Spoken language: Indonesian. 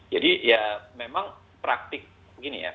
jadi ya memang praktik begini ya